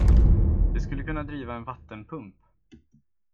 Det skulle kunna driva en vattenpump.